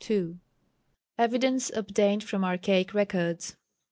[Sidenote: Evidence obtained from Archaic Records.